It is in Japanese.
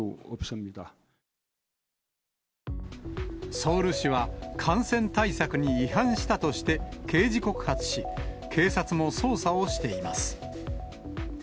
ソウル市は、感染対策に違反したとして、刑事告発し、警察も捜査をしています。